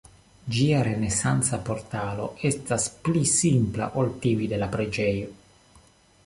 Ĝia renesanca portalo estas pli simpla ol tiuj de la preĝejo.